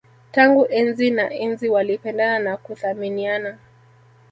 Tangu enzi na enzi walipendana na kuthaminiana